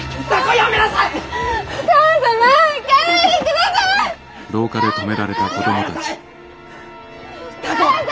やめなさい歌子。